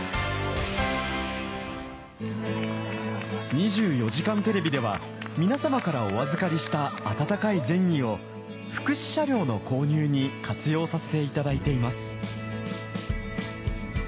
『２４時間テレビ』では皆様からお預かりした温かい善意を福祉車両の購入に活用させていただいています